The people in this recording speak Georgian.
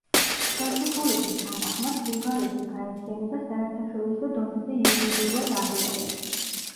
ხელშეკრულების თანახმად ბულგარეთის გაერთიანება საერთაშორისო დონეზე იურიდიულად აღიარეს.